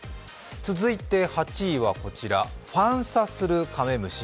続いて８位はこちら、ファンサするカメムシ。